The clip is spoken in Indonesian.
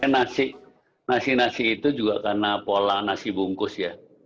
nasi nasi nasi itu juga karena pola nasi bungkus ya